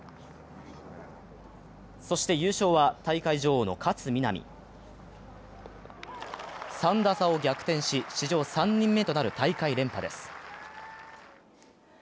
そして、優勝は大会女王の勝みなみ３打差を逆転し史上３人目となる大会連覇です。